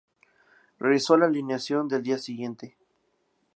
Regresó a la alineación el día siguiente.